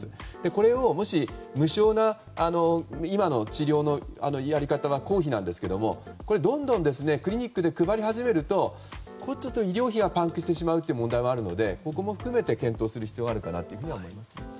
これをもし無償な今の治療のやり方は公費なんですがどんどんクリニックで配ると医療費がパンクしてしまう問題もあるのでここも含めて検討する必要があると思います。